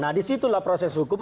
nah disitulah proses hukum